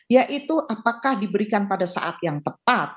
yaitu apakah diberikan pada saat yang tepat